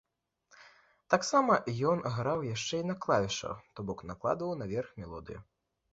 Таксама ён граў яшчэ і на клавішах, то бок накладваў наверх мелодыю.